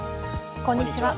こんにちは。